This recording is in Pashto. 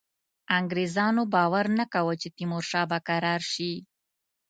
انګرېزانو باور نه کاوه چې تیمورشاه به کرار شي.